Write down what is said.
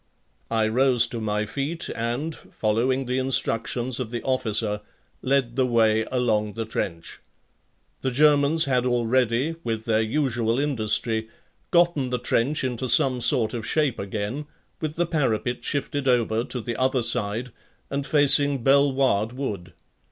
I rose to my feet and, following the instructions of the officer, led the way along the trench. The Germans had already, with their usual industry, gotten the trench into some sort of shape again, with the parapet shifted over to the other side and facing Belle waarde Wood.